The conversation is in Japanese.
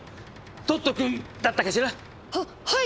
トット君だったかしら。ははい！